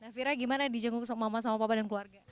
nah fira gimana dijenguk sama mama sama papa dan keluarga